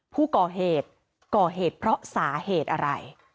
ผู้ก่อเหตุก่อเหตุเพราะสาเหตุอะไร